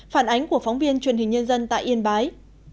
phản ánh của phóng viên truyền hình nhân dân tại yên bái